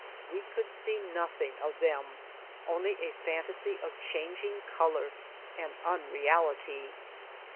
We could see nothing of them, only a phantasy of changing color, an unreality.